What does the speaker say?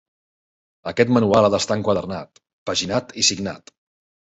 Aquest manual ha d'estar enquadernat, paginat i signat.